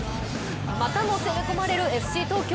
またも攻め込まれるＦＣ東京。